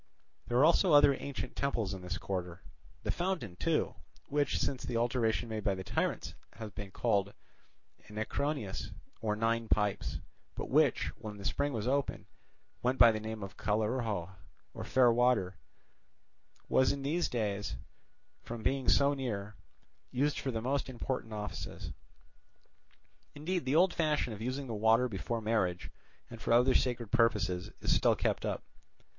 There are also other ancient temples in this quarter. The fountain too, which, since the alteration made by the tyrants, has been called Enneacrounos, or Nine Pipes, but which, when the spring was open, went by the name of Callirhoe, or Fairwater, was in those days, from being so near, used for the most important offices. Indeed, the old fashion of using the water before marriage and for other sacred purposes is still kept up.